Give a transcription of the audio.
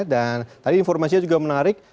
dan tadi informasinya juga menarik